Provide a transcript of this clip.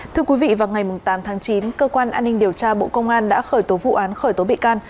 thưa quý vị vào ngày tám tháng chín cơ quan an ninh điều tra bộ công an đã khởi tố vụ án khởi tố bị can